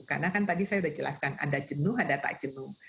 karena kan tadi saya udah jelaskan ada jenuh ada tak jenuh